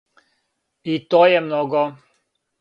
И то је много.